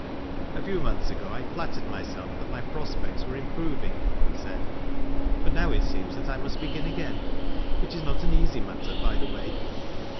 " A few months ago, I flattered myself that my pro?v3t « were improving," he said ;" but now it seem^ thai: \ must begin again, which is not an easy matter, by tl^e way."